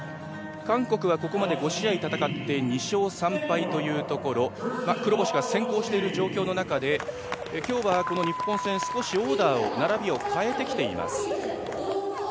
韓国はここまで５試合戦って２勝３敗というところ黒星が先行している状況の中で、今日はこの日本戦、少しオーダーを、並びを変えてきています。